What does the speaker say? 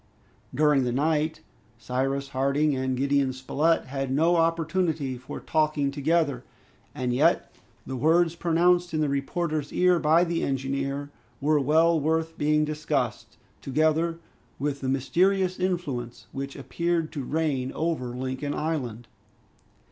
During the night, Cyrus Harding and Gideon Spilett had no opportunity for talking together, and yet the words pronounced in the reporter's ear by the engineer were well worth being discussed, together with the mysterious influence which appeared to reign over Lincoln Island.